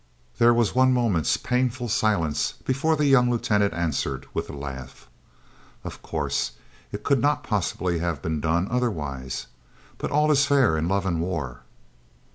There was one moment's painful silence before the young lieutenant answered, with a laugh: "Of course; it could not possibly have been done otherwise but all is fair in love and war."